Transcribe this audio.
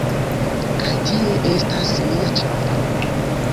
Kaj tie estas mia ĉambro